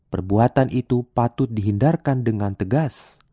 perbuatan itu patut dihindarkan dengan tegas